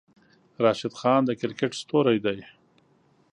راشد خان د کرکیټ ستوری دی.